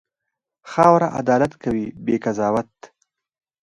خاوره عدالت کوي، بې قضاوت.